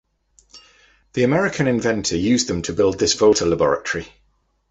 The American inventor used them to build this Volta laboratory.